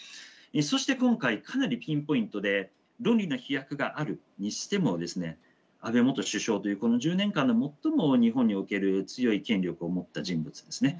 そして今回かなりピンポイントで論理の飛躍があるにしてもですね安倍元首相というこの１０年間で最も日本における強い権力を持った人物ですね。